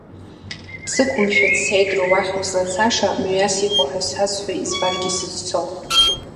Дсықәымшәац, сеидру уахь узлацаша, мҩас иҟоу ҳәа сазҳәо, избаргьы сызцо?